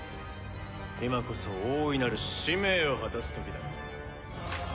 今こそ大いなる使命を果たす時だ。